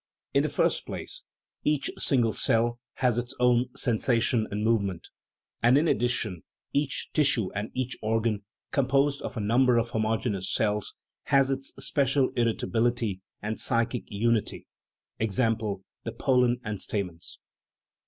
In the first place, each sin gle cell has its own sensation and movement, and, in addition, each tissue and each organ, composed of a number of homogeneous cells, has its special irritabil ity and psychic unity (e.g., the pollen and stamens).